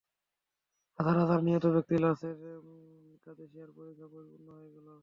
হাজার হাজার নিহত ব্যক্তির লাশে কাদেসিয়ার পরিখা পরিপূর্ণ হয়ে গেল।